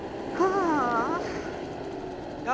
ああ！